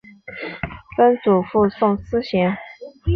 曾祖父宋思贤。